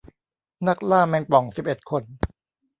นักล่าแมงป่องสิบเอ็ดคน